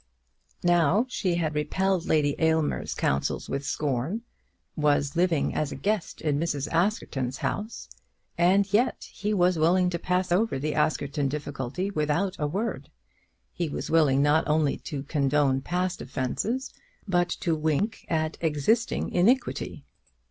Now she had repelled Lady Aylmer's counsels with scorn, was living as a guest in Mrs. Askerton's house; and yet he was willing to pass over the Askerton difficulty without a word. He was willing not only to condone past offences, but to wink at existing iniquity!